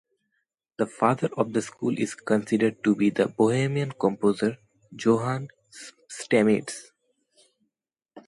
The father of the school is considered to be the Bohemian composer Johann Stamitz.